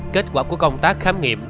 kết quả của công tác khám nghiệm